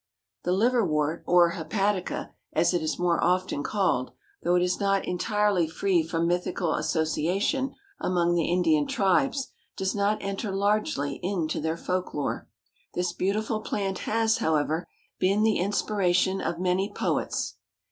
The Liverwort, or Hepatica, as it is more often called, though it is not entirely free from mythical association among the Indian tribes, does not enter largely into their folklore. This beautiful plant has, however, been the inspiration of many poets.